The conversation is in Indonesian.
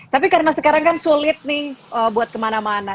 tapi karena sekarang kan sulit nih buat kemana mana